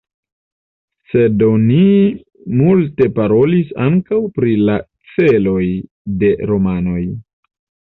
Sed oni multe parolis ankaŭ pri la celoj de romanoj.